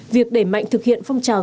việc để mạnh thực hiện phong trào